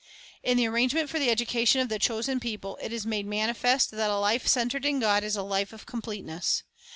In the arrangements for the education of the chosen people it is made manifest that a life centered in God is a life of completeness.